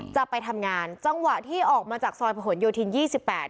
จะไปทำงานจังหวะที่ออกมาจากซอยประหลโยธินยี่สิบแปด